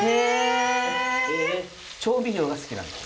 調味料が好きなんです。